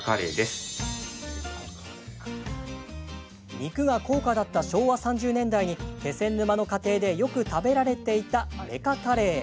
肉が高価だった昭和３０年代に気仙沼の家庭でよく食べられていたメカカレー。